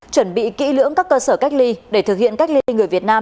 chuẩn bị kỹ lưỡng các cơ sở cách ly để thực hiện cách ly người việt nam